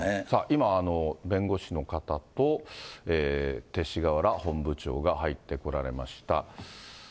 今、弁護士の方と、勅使河原本部長が入ってこられました。